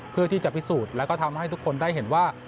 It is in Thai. เพื่อที่จะพิสูจน์แล้วก็ทำให้ทุกคนได้เห็นว่า